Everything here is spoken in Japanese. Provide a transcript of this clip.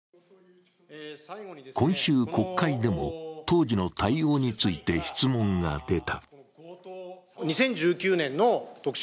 今週、国会でも当時の対応について質問が出た。